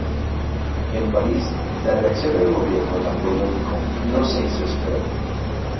En París, la reacción del gobierno napoleónico no se hizo esperar.